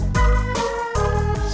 oke terima kasih